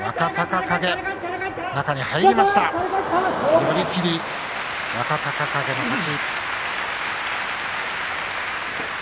寄り切り、若隆景の勝ち。